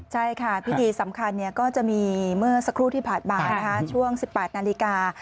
ใช่ค่ะพิธีสำคัญก็จะมีเมื่อสักครู่ที่ผ่านมาช่วง๑๘นาฬิกา